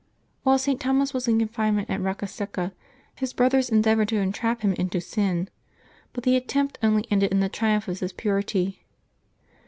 While St. Thomas was in confinement at Eocca Secca, his brothers endeavored to entrap him into sin, but the attempt only ended in the triumph of his purity.